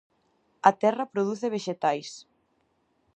A terra produce vexetais.